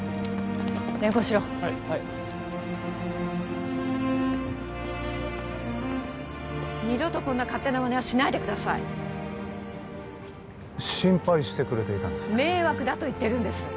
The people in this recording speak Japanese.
連行しろはい二度とこんな勝手なまねはしないでください心配してくれていたんですね迷惑だと言ってるんです